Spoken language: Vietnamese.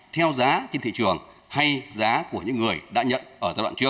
theo giá trên thị trường hay giá của những người đã nhận ở giai đoạn trước